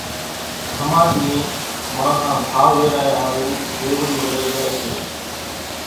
ۿماۮِيئين ماڻۿان ڀائو ويرايا ۿارُو ريوڙيون لئي زائي سي۔